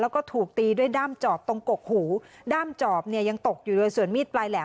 แล้วก็ถูกตีด้วยด้ามจอบตรงกกหูด้ามจอบเนี่ยยังตกอยู่เลยส่วนมีดปลายแหลม